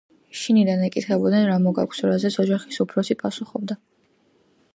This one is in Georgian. შინიდან ეკითხებოდნენ, რა მოგაქვსო, რაზეც ოჯახის უფროსი პასუხობდა